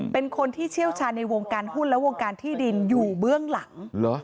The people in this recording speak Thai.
เป็นคนที่เชี่ยวชาญในวงการหุ้นและวงการที่ดินอยู่เบื้องหลัง